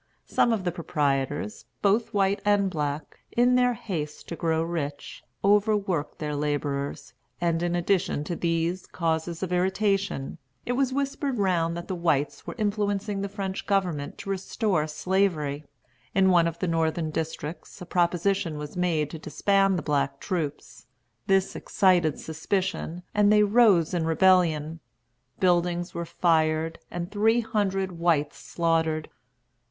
Some of the proprietors, both white and black, in their haste to grow rich, overworked their laborers; and, in addition to these causes of irritation, it was whispered round that the whites were influencing the French government to restore Slavery. In one of the northern districts a proposition was made to disband the black troops. This excited suspicion, and they rose in rebellion. Buildings were fired, and three hundred whites slaughtered.